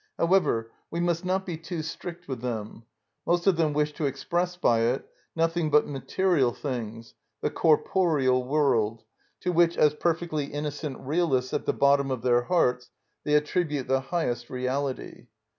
However, we must not be too strict with them; most of them wish to express by it nothing but material things, the corporeal world, to which, as perfectly innocent realists at the bottom of their hearts, they attribute the highest reality.